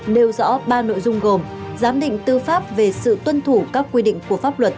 nêu rõ ba nội dung gồm giám định tư pháp về sự tuân thủ các quy định của pháp luật